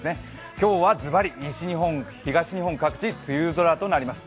今日はズバリ、西日本、東日本各地、梅雨空となります。